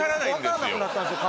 分からなくなったんですよ